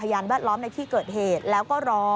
แวดล้อมในที่เกิดเหตุแล้วก็รอ